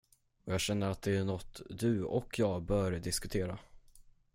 Och jag känner att det är något du och jag bör diskutera.